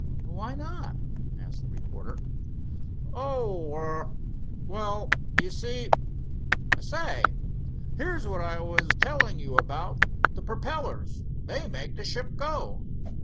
"Why not?" asked the reporter. "Oh, er—well—you see—say, here's what I was telling you about, the perpellers, they make the ship go.